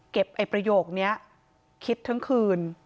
ไอ้ประโยคนี้คิดทั้งคืน